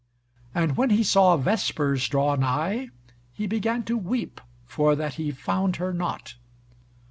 And when he saw Vespers draw nigh, he began to weep for that he found her not.